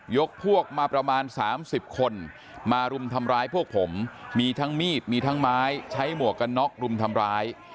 พวกมาประมาณ๓๐คนมารุมทำร้ายพวกผมมีทั้งมีดมีทั้งไม้ใช้หมวกกันน็อกรุมทำร้าย